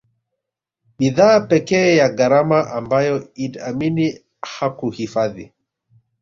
Bidhaa pekee ya gharama ambayo Idi Amin hakuhifadhi